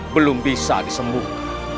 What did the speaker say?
belum bisa disembuhkan